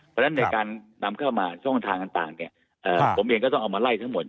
เพราะฉะนั้นในการนำเข้ามาช่องทางต่างเนี่ยผมเองก็ต้องเอามาไล่ทั้งหมด